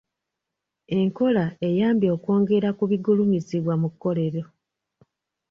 Enkola eyambye okwongera ku bigulumizibwa mu kkolero.